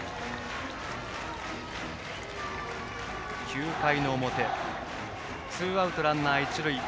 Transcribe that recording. ９回の表ツーアウトランナー、一塁。